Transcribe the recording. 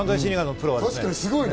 確かにすごいな。